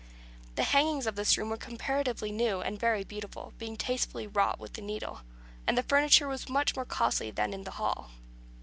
The hangings of this room were comparatively new and very beautiful, being tastefully wrought with the needle; and the furniture was much more costly than that in the hall.